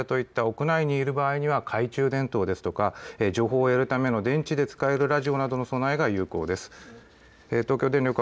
このため自宅や会社といった屋内にいる場合には懐中電灯ですとか情報を得るための電池で使えるラジオなどの備えが有効です。